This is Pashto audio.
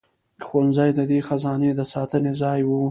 ښوونځي د دې خزانې د ساتنې ځای وو.